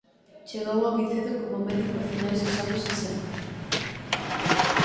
Chegou ao Vicedo como médico a finais dos anos sesenta.